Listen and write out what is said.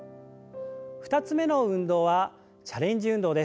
２つ目の運動はチャレンジ運動です。